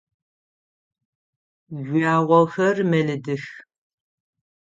Жъуагъохэр мэлыдых.